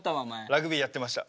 ラグビーやってました。